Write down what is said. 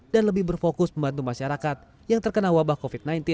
dan lebih berfokus membantu masyarakat yang terkena wabah covid sembilan belas